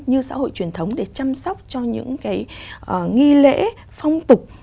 như xã hội truyền thống để chăm sóc cho những cái nghi lễ phong tục